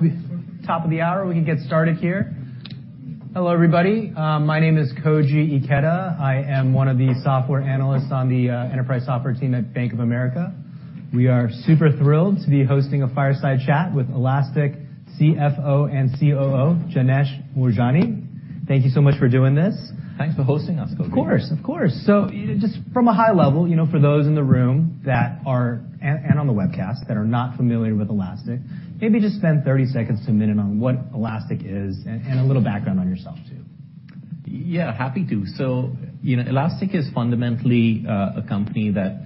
It's top of the hour, we can get started here. Hello, everybody. My name is Koji Ikeda. I am one of the software analysts on the enterprise software team at Bank of America. We are super thrilled to be hosting a fireside chat with Elastic CFO and COO, Janesh Moorjani. Thank you so much for doing this. Thanks for hosting us, Koji. Of course, of course! Just from a high level, you know, for those in the room that are, and on the webcast, that are not familiar with Elastic, maybe just spend 30 seconds to a minute on what Elastic is, and a little background on yourself, too. Yeah, happy to. You know, Elastic is fundamentally a company that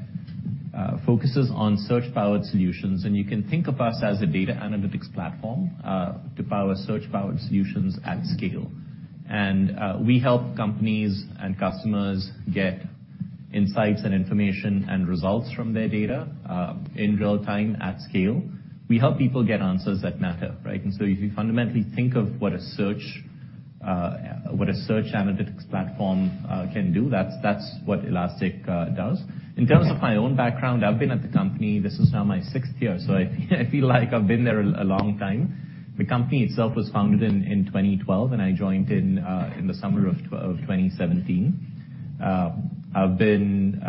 focuses on search-powered solutions, and you can think of us as a data analytics platform to power search-powered solutions at scale. We help companies and customers get insights and information and results from their data in real time, at scale. We help people get answers that matter, right? If you fundamentally think of what a search analytics platform can do, that's what Elastic does. Yeah. In terms of my own background, I've been at the company, this is now my sixth year, I feel like I've been there a long time. The company itself was founded in 2012, I joined in the summer of 2017. I joined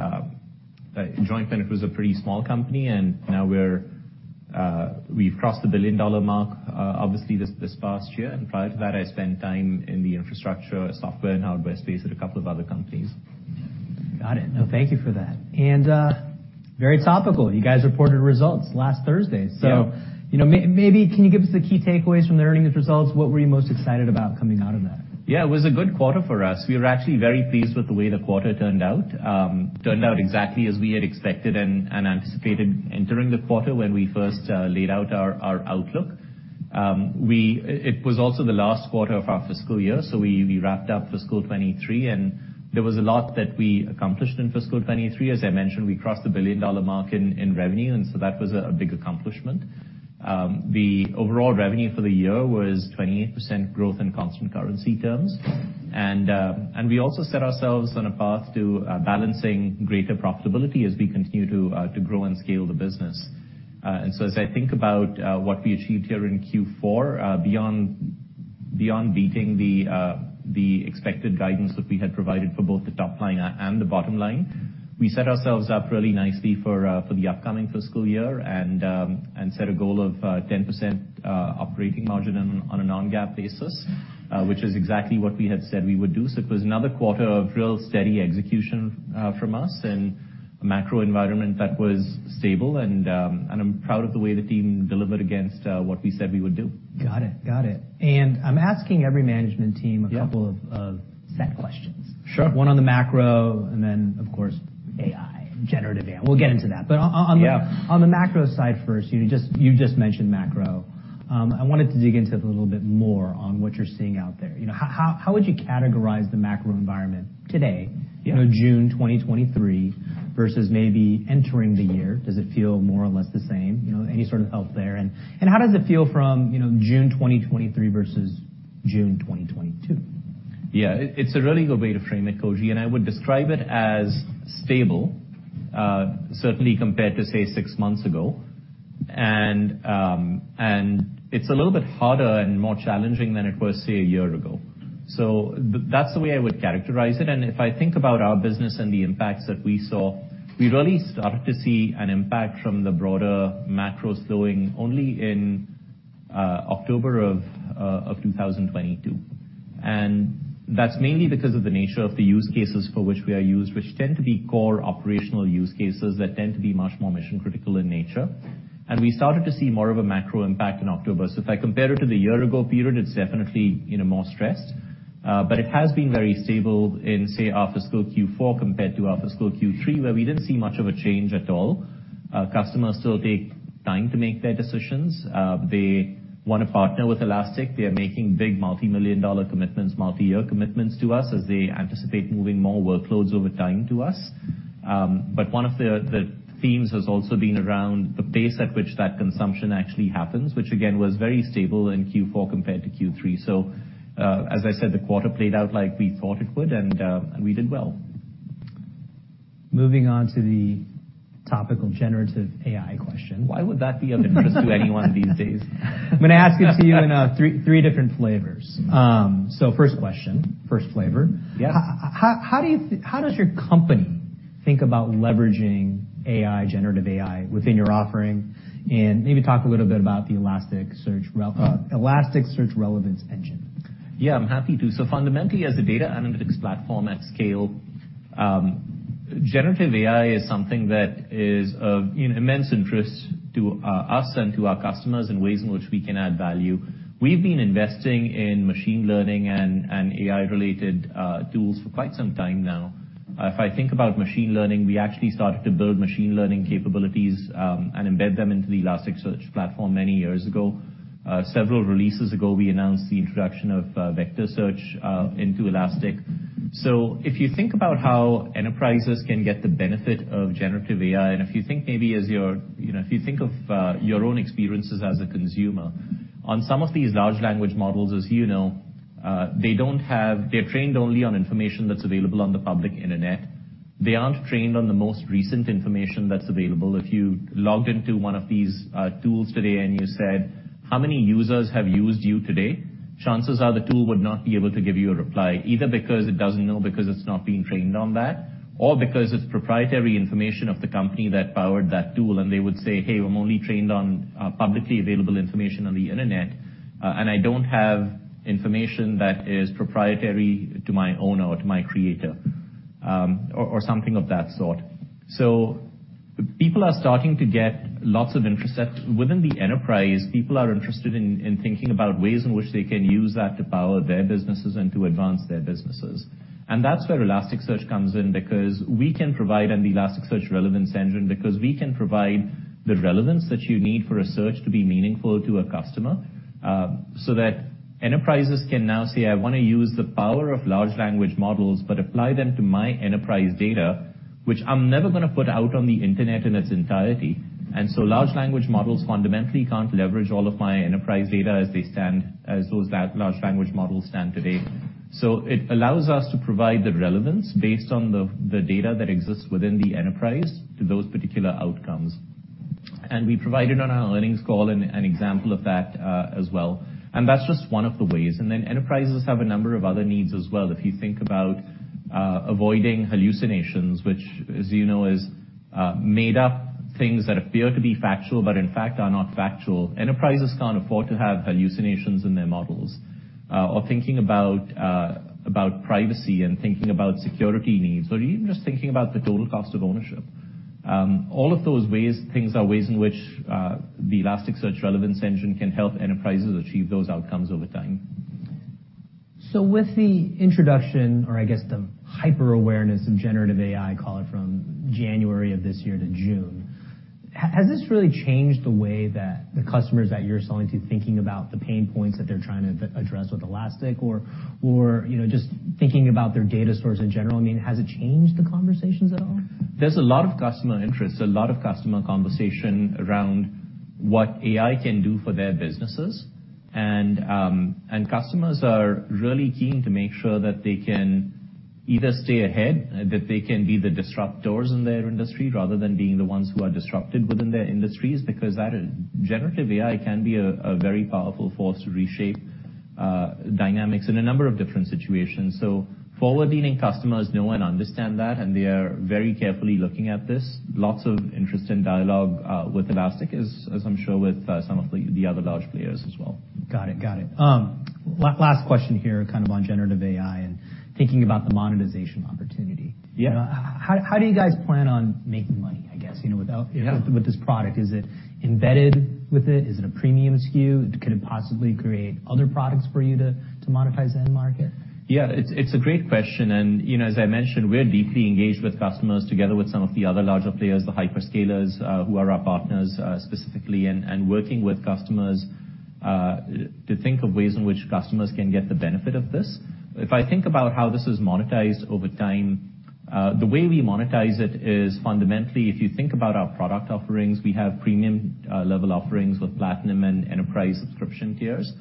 when it was a pretty small company, now we've crossed the billion-dollar mark, obviously, this past year, prior to that, I spent time in the infrastructure, software, and hardware space at a couple of other companies. Got it. No, thank you for that. Very topical, you guys reported results last Thursday. Yeah. you know, maybe can you give us the key takeaways from the earnings results? What were you most excited about coming out of that? Yeah, it was a good quarter for us. We were actually very pleased with the way the quarter turned out. Turned out exactly as we had expected and anticipated entering the quarter when we first laid out our outlook. It was also the last quarter of our fiscal year, so we wrapped up fiscal 2023, and there was a lot that we accomplished in fiscal 2023. As I mentioned, we crossed the billion-dollar mark in revenue, and so that was a big accomplishment. The overall revenue for the year was 28% growth in constant currency terms. We also set ourselves on a path to balancing greater profitability as we continue to grow and scale the business. As I think about what we achieved here in Q4, beyond beating the expected guidance that we had provided for both the top line and the bottom line, we set ourselves up really nicely for for the upcoming fiscal year and set a goal of 10% operating margin on on a non-GAAP basis, which is exactly what we had said we would do. It was another quarter of real steady execution from us and a macro environment that was stable, and I'm proud of the way the team delivered against what we said we would do. Got it. I'm asking every management team a couple of set questions. One on the macro, and then, of course, AI, generative AI. We'll get into that. Yeah. On the macro side first, you just mentioned macro. I wanted to dig into it a little bit more on what you're seeing out there. You know, how would you categorize the macro environment today? You know, June 2023, versus maybe entering the year? Does it feel more or less the same? Any sort of help there. How does it feel from, you know, June 2023 versus June 2022? Yeah, it's a really good way to frame it, Koji, and I would describe it as stable, certainly compared to, say, six months ago. It's a little bit harder and more challenging than it was, say, a year ago. That's the way I would characterize it, and if I think about our business and the impacts that we saw, we really started to see an impact from the broader macro slowing only in October of 2022. That's mainly because of the nature of the use cases for which we are used, which tend to be core operational use cases that tend to be much more mission-critical in nature. We started to see more of a macro impact in October. If I compare it to the year ago period, it's definitely, you know, more stressed, but it has been very stable in, say, our fiscal Q4 compared to our fiscal Q3, where we didn't see much of a change at all. Customers still take time to make their decisions. They want to partner with Elastic. They are making big multimillion-dollar commitments, multiyear commitments to us as they anticipate moving more workloads over time to us. One of the themes has also been around the pace at which that consumption actually happens, which again, was very stable in Q4 compared to Q3. As I said, the quarter played out like we thought it would, and we did well. Moving on to the topical generative AI question. Why would that be of interest to anyone these days? I'm gonna ask it to you in three different flavors. First question, first flavor. How does your company think about leveraging AI, generative AI, within your offering? Maybe talk a little bit about the Elasticsearch Relevance Engine. Yeah, I'm happy to. Fundamentally, as a data analytics platform at scale, generative AI is something that is of, you know, immense interest to us and to our customers and ways in which we can add value. We've been investing in machine learning and AI-related tools for quite some time now. If I think about machine learning, we actually started to build machine learning capabilities and embed them into the Elasticsearch platform many years ago. Several releases ago, we announced the introduction of vector search into Elastic. If you think about how enterprises can get the benefit of generative AI, and if you think maybe you know, if you think of your own experiences as a consumer, on some of these large language models, as you know, they're trained only on information that's available on the public internet. They aren't trained on the most recent information that's available. If you logged into one of these tools today, and you said, "How many users have used you today?" Chances are the tool would not be able to give you a reply, either because it doesn't know, because it's not being trained on that, or because it's proprietary information of the company that powered that tool, and they would say, "Hey, I'm only trained on publicly available information on the internet, and I don't have information that is proprietary to my owner or to my creator," or something of that sort. People are starting to get lots of interest. Within the enterprise, people are interested in thinking about ways in which they can use that to power their businesses and to advance their businesses. That's where Elasticsearch comes in, because we can provide the Elasticsearch Relevance Engine and the relevance that you need for a search to be meaningful to a customer. That enterprises can now say, "I wanna use the power of large language models, but apply them to my enterprise data, which I'm never gonna put out on the internet in its entirety." Large language models fundamentally can't leverage all of my enterprise data as they stand, as those large language models stand today. It allows us to provide the relevance based on the data that exists within the enterprise to those particular outcomes. We provided on our earnings call an example of that as well, and that's just one of the ways. Enterprises have a number of other needs as well. If you think about avoiding hallucinations, which, as you know, is made up things that appear to be factual, but in fact, are not factual. Enterprises can't afford to have hallucinations in their models. Thinking about about privacy and thinking about security needs, or even just thinking about the total cost of ownership. Things are ways in which the Elasticsearch Relevance Engine can help enterprises achieve those outcomes over time. With the introduction or I guess, the hyper-awareness of generative AI, call it, from January of this year to June, has this really changed the way that the customers that you're selling to, thinking about the pain points that they're trying to address with Elastic or, you know, just thinking about their data stores in general? I mean, has it changed the conversations at all? There's a lot of customer interest, a lot of customer conversation around what AI can do for their businesses. Customers are really keen to make sure that they can either stay ahead, that they can be the disruptors in their industry, rather than being the ones who are disrupted within their industries. Generative AI can be a very powerful force to reshape dynamics in a number of different situations. Forward-leaning customers know and understand that, and they are very carefully looking at this. Lots of interest in dialogue with Elastic, as I'm sure with some of the other large players as well. Got it. last question here, kind of on generative AI and thinking about the monetization opportunity. Yeah? How do you guys plan on making money, I guess, you know, with this product? Is it embedded with it? Is it a premium SKU? Could it possibly create other products for you to monetize that market? It's a great question, you know, as I mentioned, we're deeply engaged with customers together with some of the other larger players, the hyperscalers, who are our partners, specifically, and working with customers to think of ways in which customers can get the benefit of this. If I think about how this is monetized over time, the way we monetize it is fundamentally, if you think about our product offerings, we have Premium level offerings with Platinum and Enterprise subscription tiers.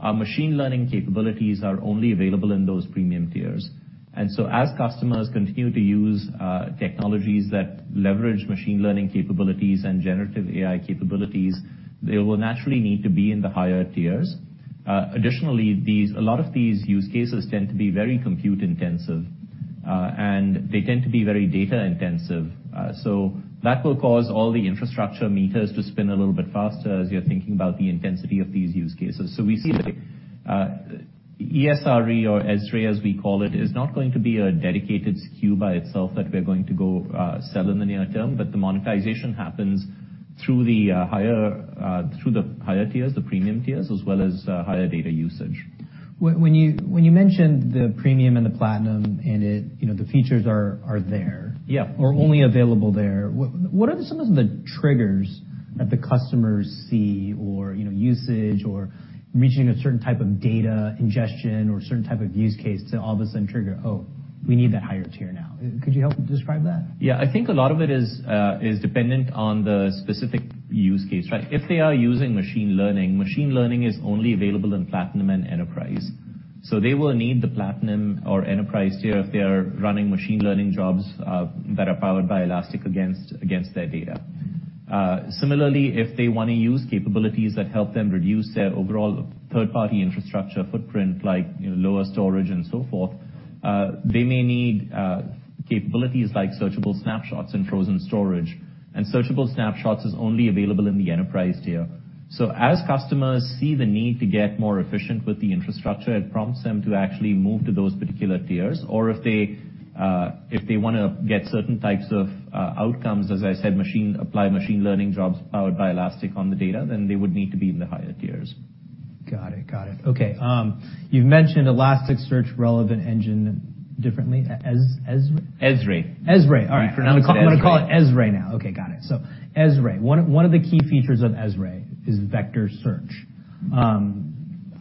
Our machine learning capabilities are only available in those Premium tiers. As customers continue to use technologies that leverage machine learning capabilities and generative AI capabilities, they will naturally need to be in the higher tiers. Additionally, a lot of these use cases tend to be very compute-intensive, and they tend to be very data-intensive. That will cause all the infrastructure meters to spin a little bit faster as you're thinking about the intensity of these use cases. We see that ESRE, as we call it, is not going to be a dedicated SKU by itself, that we're going to go sell in the near term, but the monetization happens through the higher tiers, the Premium tiers, as well as higher data usage. When you mentioned the Premium and the Platinum and it, you know, the features are there. Yeah. Only available there, what are some of the triggers that the customers see or, you know, usage or reaching a certain type of data ingestion or certain type of use case to all of a sudden trigger, "Oh, we need that higher tier now?" Could you help describe that? Yeah. I think a lot of it is dependent on the specific use case, right? If they are using machine learning, machine learning is only available in Platinum and Enterprise. They will need the Platinum or Enterprise tier if they are running machine learning jobs that are powered by Elastic against their data. Similarly, if they wanna use capabilities that help them reduce their overall third-party infrastructure footprint, like, you know, lower storage and so forth, they may need capabilities like searchable snapshots and frozen storage. Searchable snapshots is only available in the Enterprise tier. As customers see the need to get more efficient with the infrastructure, it prompts them to actually move to those particular tiers. If they wanna get certain types of outcomes, as I said, apply machine learning jobs powered by Elastic on the data, then they would need to be in the higher tiers. Got it. Okay, you've mentioned Elasticsearch Relevance Engine differently, ES? ESRE. ESRE. All right. Pronounce it ESRE. I'm gonna call it ESRE now. Okay, got it. ESRE, one of the key features of ESRE is vector search.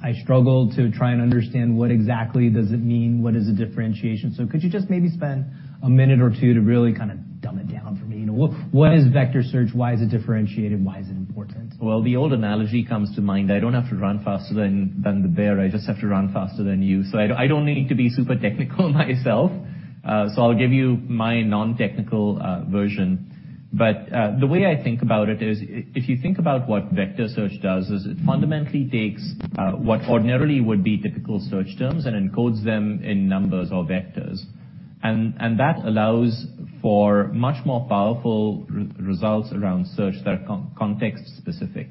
I struggle to try and understand what exactly does it mean? What is the differentiation? Could you just maybe spend a minute or two to really for me, you know, what is vector search? Why is it differentiated? Why is it important? The old analogy comes to mind, I don't have to run faster than the bear, I just have to run faster than you. I don't need to be super technical myself, so I'll give you my non-technical version. The way I think about it is if you think about what vector search does, is it fundamentally takes what ordinarily would be typical search terms and encodes them in numbers or vectors. And that allows for much more powerful results around search that are context specific,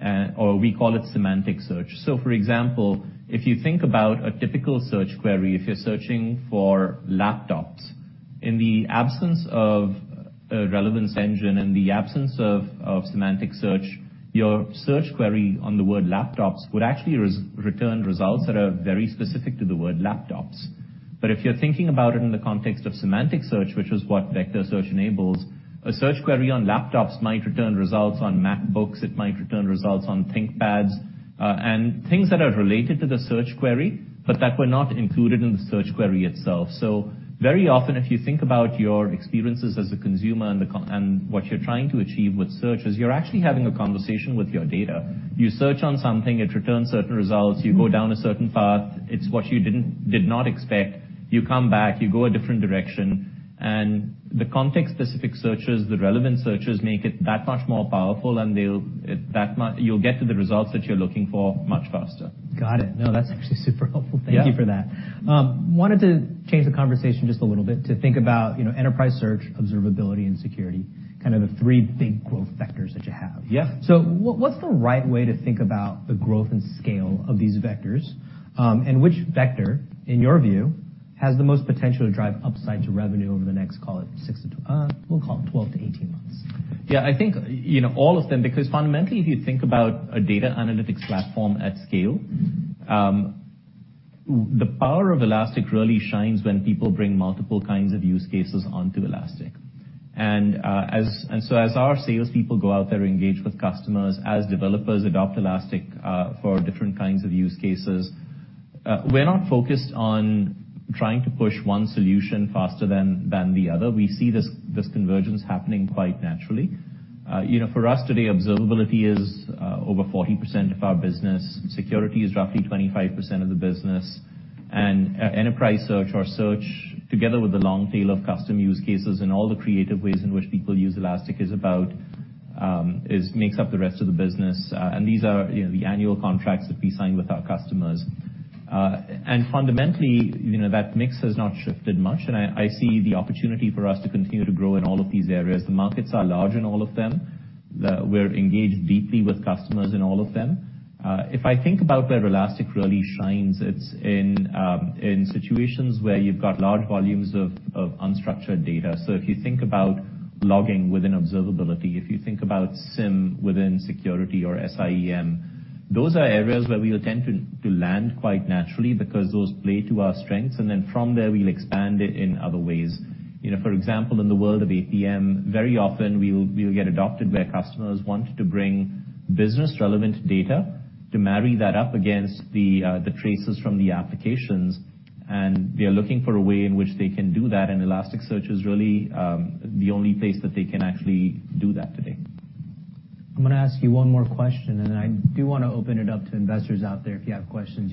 and or we call it semantic search. For example, if you think about a typical search query, if you're searching for laptops, in the absence of a Relevance Engine, in the absence of semantic search, your search query on the word laptops would actually return results that are very specific to the word laptops. If you're thinking about it in the context of semantic search, which is what vector search enables, a search query on laptops might return results on MacBooks, it might return results on ThinkPads, and things that are related to the search query, but that were not included in the search query itself. Very often, if you think about your experiences as a consumer and what you're trying to achieve with search, is you're actually having a conversation with your data. You search on something, it returns certain results, you go down a certain path, it's what you did not expect. You come back, you go a different direction, the context-specific searches, the relevant searches, make it that much more powerful. You'll get to the results that you're looking for much faster. Got it. That's actually super helpful. Yeah. Thank you for that. wanted to change the conversation just a little bit, to think about, you know, enterprise search, observability, and security, kind of the three big growth vectors that you have. Yeah. What's the right way to think about the growth and scale of these vectors? Which vector, in your view, has the most potential to drive upside to revenue over the next, call it six to, we'll call it 12-18 months? Yeah, I think, you know, all of them, because fundamentally, if you think about a data analytics platform at scale, the power of Elastic really shines when people bring multiple kinds of use cases onto Elastic. As our salespeople go out there and engage with customers, as developers adopt Elastic for different kinds of use cases, we're not focused on trying to push one solution faster than the other. We see this convergence happening quite naturally. You know, for us today, observability is over 40% of our business. security is roughly 25% of the business, and enterprise search or search, together with the long tail of custom use cases and all the creative ways in which people use Elastic, makes up the rest of the business. These are, you know, the annual contracts that we sign with our customers. Fundamentally, you know, that mix has not shifted much, and I see the opportunity for us to continue to grow in all of these areas. The markets are large in all of them. We're engaged deeply with customers in all of them. If I think about where Elastic really shines, it's in situations where you've got large volumes of unstructured data. If you think about logging within observability, if you think about SIEM within security or SIEM, those are areas where we will tend to land quite naturally because those play to our strengths, and then from there, we'll expand it in other ways. You know, for example, in the world of APM, very often we will get adopted where customers want to bring business-relevant data to marry that up against the traces from the applications, and they are looking for a way in which they can do that, and Elasticsearch is really the only place that they can actually do that today. I'm gonna ask you one more question, and then I do wanna open it up to investors out there. If you have questions,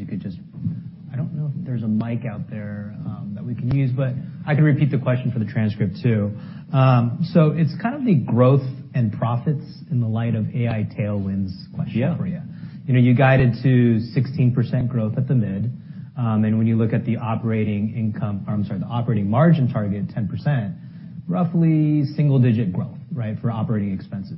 I don't know if there's a mic out there, that we can use, but I can repeat the question for the transcript, too. It's kind of the growth and profits in the light of AI tailwinds question for you. You know, you guided to 16% growth at the mid, when you look at the operating income, or I'm sorry, the operating margin target, 10%, roughly single-digit growth, right, for operating expenses.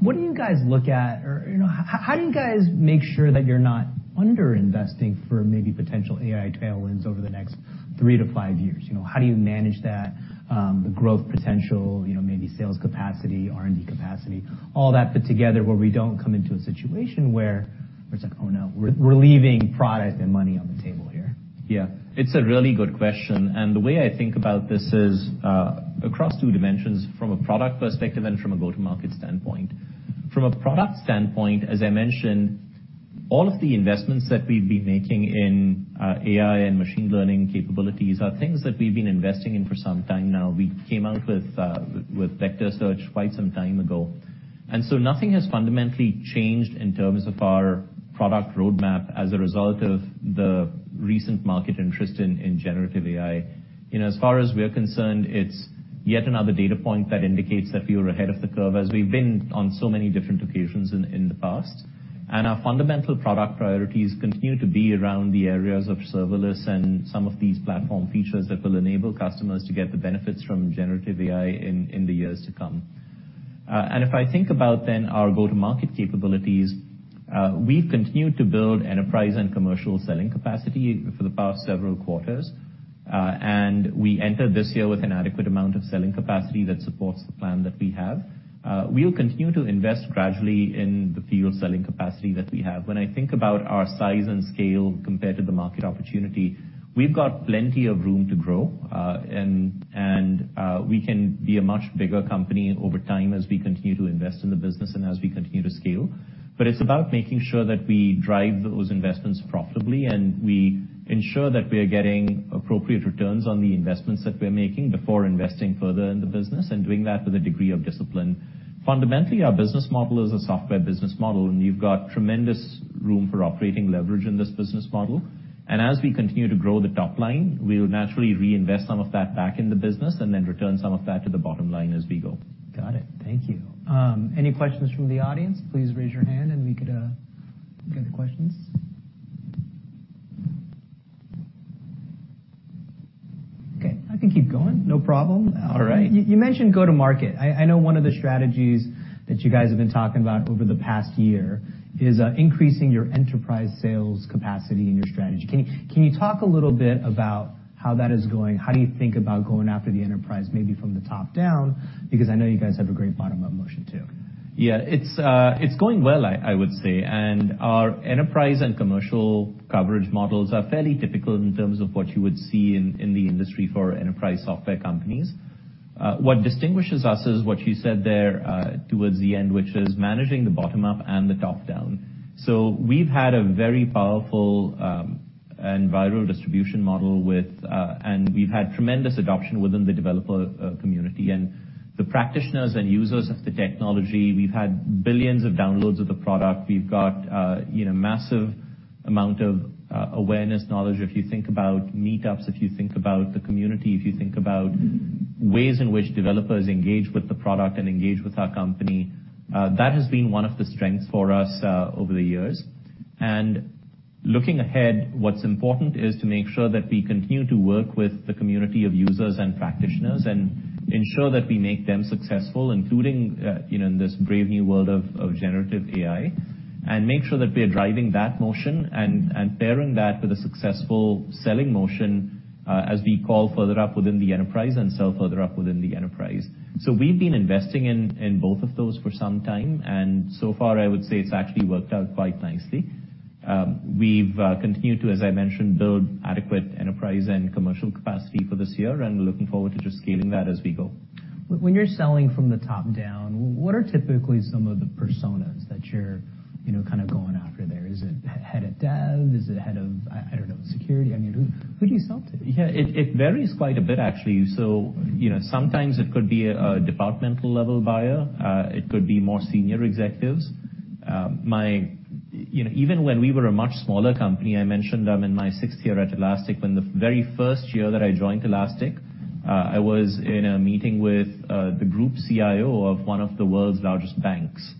What do you guys look at or, you know, how do you guys make sure that you're not underinvesting for maybe potential AI tailwinds over the next three to five years? You know, how do you manage that, the growth potential, you know, maybe sales capacity, R&D capacity, all that put together, where we don't come into a situation where it's like, oh, no, we're leaving product and money on the table here? Yeah. It's a really good question. The way I think about this is across two dimensions, from a product perspective and from a go-to-market standpoint. From a product standpoint, as I mentioned, all of the investments that we've been making in AI and machine learning capabilities are things that we've been investing in for some time now. We came out with with vector search quite some time ago. Nothing has fundamentally changed in terms of our product roadmap as a result of the recent market interest in generative AI. You know, as far as we're concerned, it's yet another data point that indicates that we were ahead of the curve, as we've been on so many different occasions in the past. Our fundamental product priorities continue to be around the areas of serverless and some of these platform features that will enable customers to get the benefits from generative AI in the years to come. If I think about then our go-to-market capabilities, we've continued to build enterprise and commercial selling capacity for the past several quarters. We entered this year with an adequate amount of selling capacity that supports the plan that we have. We'll continue to invest gradually in the field selling capacity that we have. When I think about our size and scale compared to the market opportunity, we've got plenty of room to grow, and we can be a much bigger company over time as we continue to invest in the business and as we continue to scale. It's about making sure that we drive those investments profitably, and we ensure that we are getting appropriate returns on the investments that we're making before investing further in the business, and doing that with a degree of discipline. Fundamentally, our business model is a software business model. You've got tremendous room for operating leverage in this business model. As we continue to grow the top line, we'll naturally reinvest some of that back in the business and then return some of that to the bottom line as we go. Got it. Thank you. Any questions from the audience? Please raise your hand, and we could get the questions. Okay, I can keep going. No problem. All right. You mentioned go-to-market. I know one of the strategies that you guys have been talking about over the past year is increasing your enterprise sales capacity in your strategy. Can you talk a little bit about how that is going? How do you think about going after the enterprise, maybe from the top down? Because I know you guys have a great bottom-up motion, too. Yeah, it's going well, I would say. Our enterprise and commercial coverage models are fairly typical in terms of what you would see in the industry for enterprise software companies. What distinguishes us is what you said there, towards the end, which is managing the bottom up and the top down. We've had a very powerful, and viral distribution model with, and we've had tremendous adoption within the developer community. The practitioners and users of the technology, we've had billions of downloads of the product. We've got massive amount of awareness, knowledge, if you think about meetups, if you think about the community, if you think about ways in which developers engage with the product and engage with our company. That has been one of the strengths for us over the years. Looking ahead, what's important is to make sure that we continue to work with the community of users and practitioners and ensure that we make them successful, including, you know, in this brave new world of generative AI, and make sure that we are driving that motion and pairing that with a successful selling motion, as we call further up within the Enterprise and sell further up within the Enterprise. We've been investing in both of those for some time, and so far, I would say it's actually worked out quite nicely. We've continued to, as I mentioned, build adequate Enterprise and commercial capacity for this year and looking forward to just scaling that as we go. When you're selling from the top down, what are typically some of the personas that you're, you know, kind of going after there? Is it head of dev? Is it head of, I don't know, security? I mean, who do you sell to? Yeah, it varies quite a bit, actually. You know, sometimes it could be a departmental-level buyer, it could be more senior executives. You know, even when we were a much smaller company, I mentioned I'm in my sixth year at Elastic. When the very 1st year that I joined Elastic, I was in a meeting with the group CIO of one of the world's largest banks.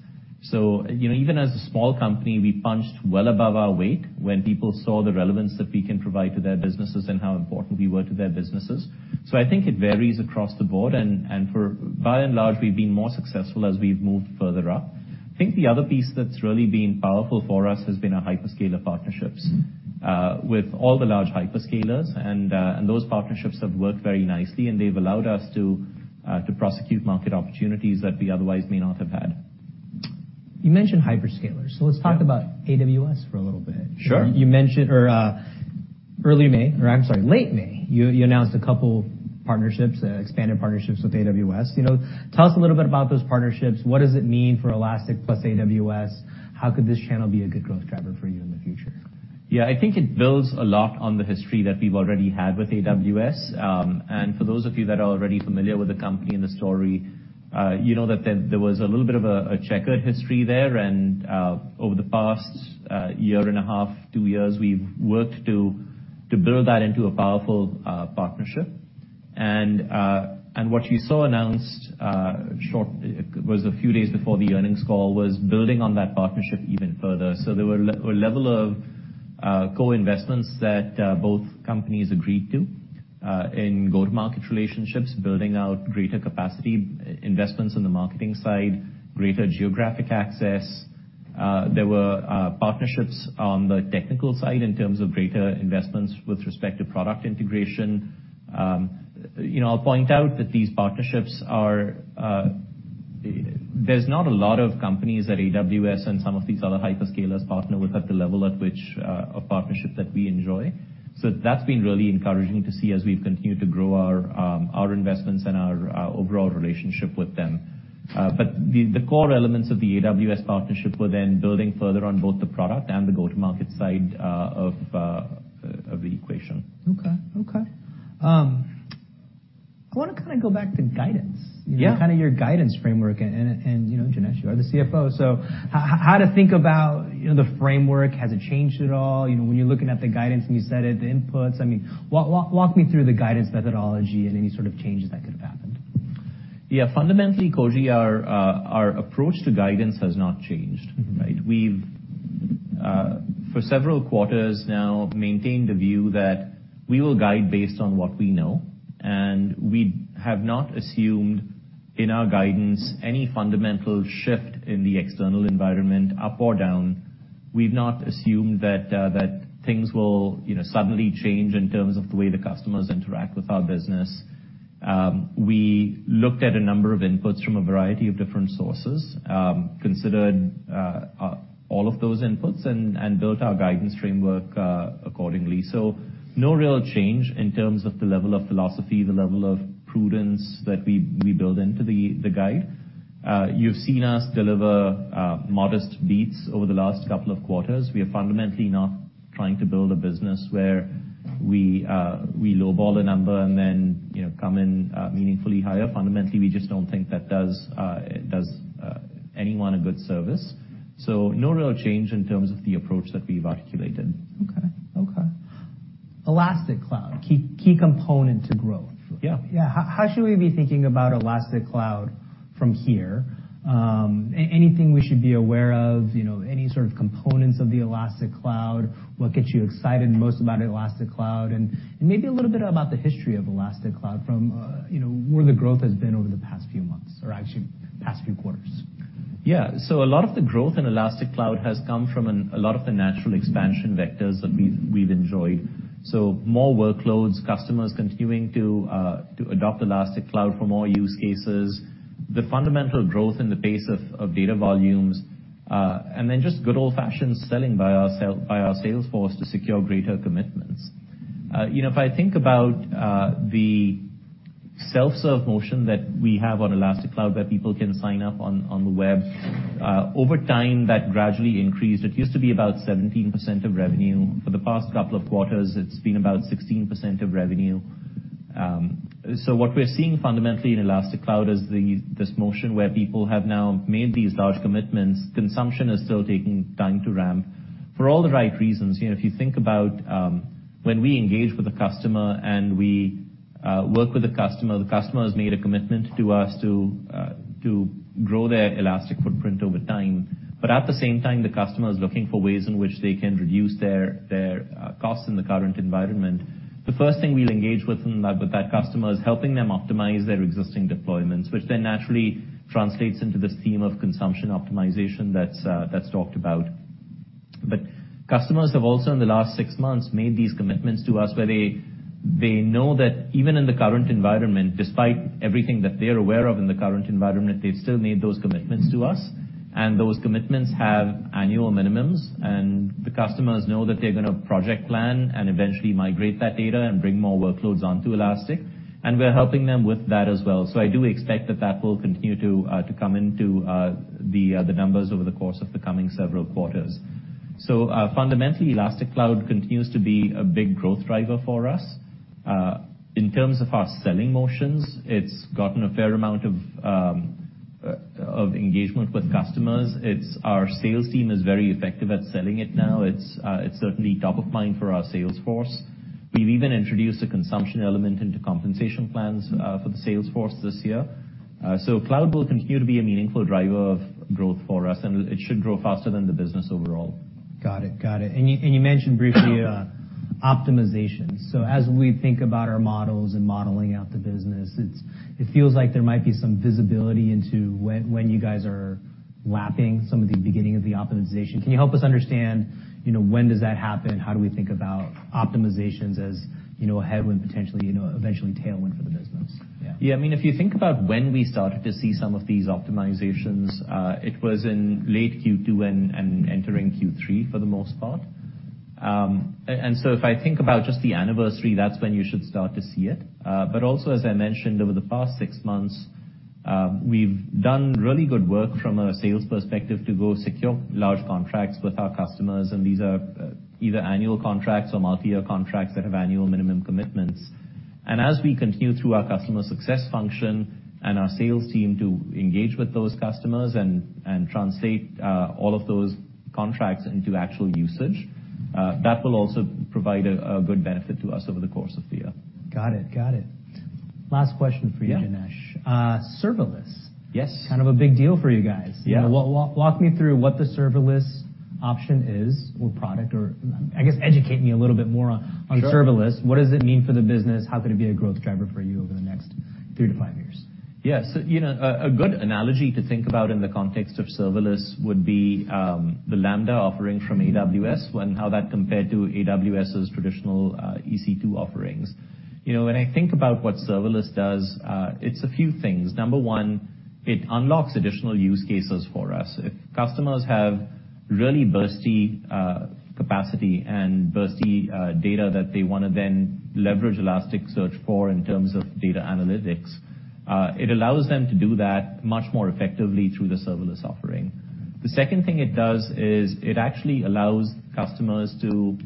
You know, even as a small company, we punched well above our weight when people saw the relevance that we can provide to their businesses and how important we were to their businesses. I think it varies across the board, and for, by and large, we've been more successful as we've moved further up. I think the other piece that's really been powerful for us has been our hyperscaler partnerships with all the large hyperscalers. Those partnerships have worked very nicely. They've allowed us to prosecute market opportunities that we otherwise may not have had. You mentioned hyperscalers. Let's talk about AWS for a little bit. Sure. You mentioned late May, you announced a couple partnerships, expanded partnerships with AWS. You know, tell us a little bit about those partnerships. What does it mean for Elastic plus AWS? How could this channel be a good growth driver for you in the future? Yeah, I think it builds a lot on the history that we've already had with AWS. For those of you that are already familiar with the company and the story, you know that there was a little bit of a checkered history there, and over the past 1.5 years, 2 years, we've worked to build that into a powerful partnership. What you saw announced a few days before the earnings call, was building on that partnership even further. There were a level of co-investments that both companies agreed to in go-to-market relationships, building out greater capacity, investments on the marketing side, greater geographic access. There were partnerships on the technical side in terms of greater investments with respect to product integration. You know, I'll point out that these partnerships are, there's not a lot of companies at AWS and some of these other hyperscalers partner with at the level at which, a partnership that we enjoy. That's been really encouraging to see as we've continued to grow our investments and our overall relationship with them. The core elements of the AWS partnership were then building further on both the product and the go-to-market side of the equation. Okay. I wanna kind of go back to guidance. Yeah. Kind of your guidance framework, and, you know, Janesh, you are the CFO, so how to think about, you know, the framework? Has it changed at all? You know, when you're looking at the guidance, you said it, the inputs. I mean, walk me through the guidance methodology and any sort of changes that could have happened. Fundamentally, Koji, our approach to guidance has not changed, right? We've for several quarters now, maintained the view that we will guide based on what we know, and we have not assumed in our guidance any fundamental shift in the external environment, up or down. We've not assumed that things will, you know, suddenly change in terms of the way the customers interact with our business. We looked at a number of inputs from a variety of different sources, considered all of those inputs and built our guidance framework accordingly. No real change in terms of the level of philosophy, the level of prudence that we build into the guide. You've seen us deliver modest beats over the last couple of quarters. We are fundamentally not trying to build a business where we lowball a number and then, you know, come in, meaningfully higher. Fundamentally, we just don't think that does, anyone a good service. No real change in terms of the approach that we've articulated. Okay. Elastic Cloud, key component to growth. Yeah. Yeah. How should we be thinking about Elastic Cloud from here? anything we should be aware of, you know, any sort of components of the Elastic Cloud? What gets you excited most about Elastic Cloud, and maybe a little bit about the history of Elastic Cloud from, you know, where the growth has been over the past few months or actually past few quarters? A lot of the growth in Elastic Cloud has come from a lot of the natural expansion vectors that we've enjoyed. More workloads, customers continuing to adopt Elastic Cloud for more use cases, the fundamental growth in the pace of data volumes, just good old-fashioned selling by our sales force to secure greater commitments. You know, if I think about the self-serve motion that we have on Elastic Cloud, where people can sign up on the web, over time, that gradually increased. It used to be about 17% of revenue. For the past couple of quarters, it's been about 16% of revenue. What we're seeing fundamentally in Elastic Cloud is this motion where people have now made these large commitments. Consumption is still taking time to ramp for all the right reasons. You know, if you think about, when we engage with a customer and we work with a customer, the customer has made a commitment to us to grow their Elastic footprint over time. At the same time, the customer is looking for ways in which they can reduce their costs in the current environment. The first thing we'll engage with them, with that customer, is helping them optimize their existing deployments, which then naturally translates into this theme of consumption optimization that's talked about. Customers have also, in the last six months, made these commitments to us, where they know that even in the current environment, despite everything that they're aware of in the current environment, they've still made those commitments to us, and those commitments have annual minimums. The customers know that they're going to project plan and eventually migrate that data and bring more workloads onto Elastic, and we're helping them with that as well. I do expect that that will continue to come into the numbers over the course of the coming several quarters. Fundamentally, Elastic Cloud continues to be a big growth driver for us. In terms of our selling motions, it's gotten a fair amount of engagement with customers. Our sales team is very effective at selling it now. It's certainly top of mind for our sales force. We've even introduced a consumption element into compensation plans, for the sales force this year. Cloud will continue to be a meaningful driver of growth for us, and it should grow faster than the business overall. Got it. You mentioned briefly optimization. As we think about our models and modeling out the business, it feels like there might be some visibility into when you guys are lapping some of the beginning of the optimization. Can you help us understand, you know, when does that happen? How do we think about optimizations as a headwind, potentially, you know, eventually tailwind for the business? Yeah. I mean, if you think about when we started to see some of these optimizations, it was in late Q2 and entering Q3 for the most part. So if I think about just the anniversary, that's when you should start to see it. Also, as I mentioned, over the past six months, we've done really good work from a sales perspective to go secure large contracts with our customers, and these are, either annual contracts or multi-year contracts that have annual minimum commitments. As we continue through our customer success function and our sales team to engage with those customers and translate, all of those contracts into actual usage, that will also provide a good benefit to us over the course of the year. Got it. Last question for you, Janesh. Yeah. Serverless. Kind of a big deal for you guys. Walk me through what the serverless option is or product or, I guess, educate me a little bit more on. on serverless. What does it mean for the business? How could it be a growth driver for you over the next 3-5 years? Yes. You know, a good analogy to think about in the context of serverless would be, the Lambda offering from AWS. How that compared to AWS's traditional, EC2 offerings? You know, when I think about what serverless does, it's a few things. Number 1, it unlocks additional use cases for us. If customers have really bursty, capacity and bursty, data that they want to then leverage Elasticsearch for in terms of data analytics, it allows them to do that much more effectively through the serverless offering. The second thing it does is it actually allows customers to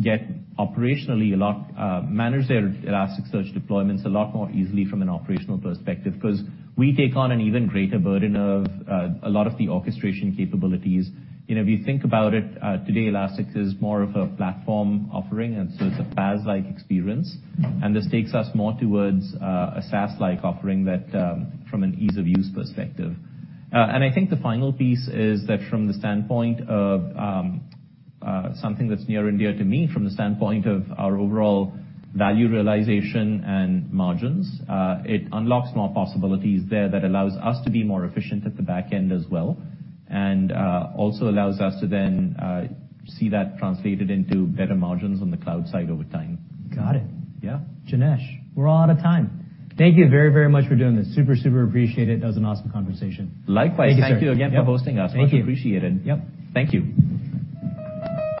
get operationally a lot, manage their Elasticsearch deployments a lot more easily from an operational perspective, 'cause we take on an even greater burden of, a lot of the orchestration capabilities. You know, if you think about it, today, Elastic is more of a platform offering, it's a PaaS-like experience, this takes us more towards a SaaS-like offering that from an ease-of-use perspective. The final piece is that from the standpoint of something that's near and dear to me, from the standpoint of our overall value realization and margins, it unlocks more possibilities there that allows us to be more efficient at the back end as well, also allows us to then see that translated into better margins on the cloud side over time. Got it. Yeah. Janesh, we're all out of time. Thank you very, very much for doing this. Super, super appreciate it. That was an awesome conversation. Likewise. Thank you, sir. Thank you again for hosting us. Yep. Much appreciated. Yep. Thank you.